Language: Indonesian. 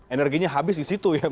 energinya habis disitu ya